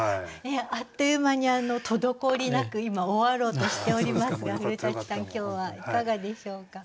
あっという間に滞りなく今終わろうとしておりますが古さん今日はいかがでしょうか？